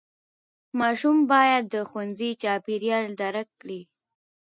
ماشوم باید د ښوونځي چاپېریال درک کړي.